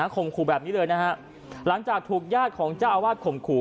นะฮะขมครูแบบนี้เลยนะฮะหลังจากถูกญาติของเจ้าอาวาสขมครู